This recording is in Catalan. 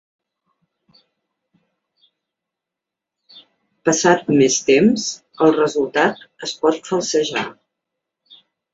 Passat més temps, el resultat es pot falsejar.